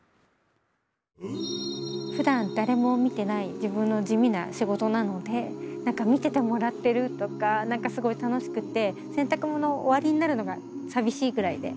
ふだん誰も見てない自分の地味な仕事なので何か見ててもらってるとか何かすごい楽しくて洗濯物終わりになるのが寂しいぐらいで。